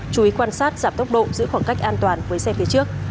chú ý quan sát giảm tốc độ giữ khoảng cách an toàn với xe phía trước